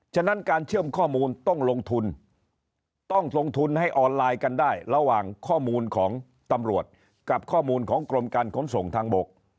ฉะนั้นการเชื่อมข้อมูลต้องลงทุนต้องลงทุนให้ออนไลน์กันได้ระหว่างข้อมูลของตำรวจกับข้อมูลของกรมการขนส่งทางบก